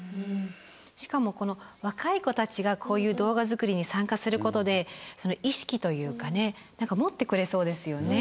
しかもこの若い子たちがこういう動画作りに参加することでその意識というかね何か持ってくれそうですよね